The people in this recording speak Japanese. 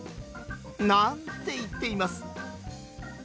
なんて言っています。